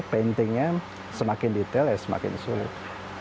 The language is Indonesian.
paintingnya semakin detail ya semakin sulit